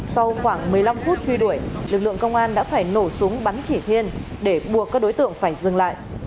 sau khoảng một mươi năm phút truy đuổi lực lượng công an đã phải nổ súng bắn chỉ thiên để buộc các đối tượng phải dừng lại